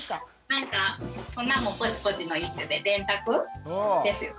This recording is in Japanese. なんかこんなんもポチポチの一種で電卓ですよね。